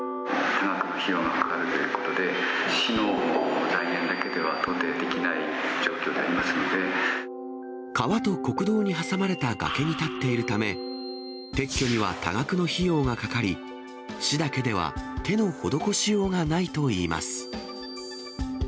多額の費用がかかるということで、市の財源だけでは、川と国道に挟まれた崖に建っているため、撤去には多額の費用がかかり、市だけでは手の施しようがないといいます。